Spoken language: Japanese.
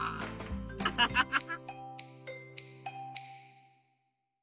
ハハハハハ。